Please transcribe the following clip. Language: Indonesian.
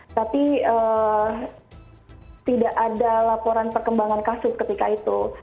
tapi tidak ada laporan perkembangan kasus ketika itu